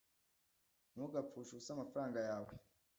ntugapfushe ubusa amafaranga yawe